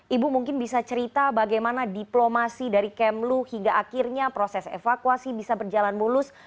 ibu mungkin bisa cerita bagaimana diplomasi dari kemlu hingga akhirnya proses evakuasi bisa berjalan mulus